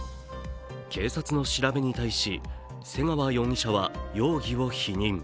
警察の調べに対し、瀬川容疑者は容疑を否認。